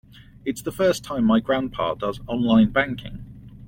It's the first time my grandpa does online banking.